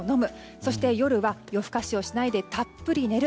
そして夜は夜更かしをしないでたっぷり寝る。